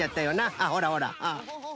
あっほらほら